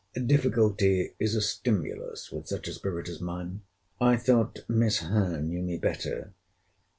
Difficulty is a stimulus with such a spirit as mine. I thought Miss Howe knew me better.